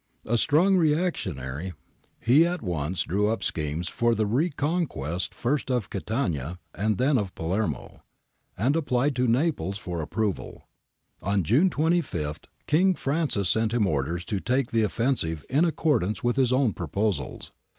A strong reactionary, he at once drew up schemes for the reconquest first of Catania and then of Palermo, and applied to Naples for approval. On June 25 King Francis sent him orders to take the offen sive in accordance with his own proposals.